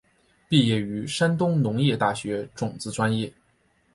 毕业于山东农业大学种子专业。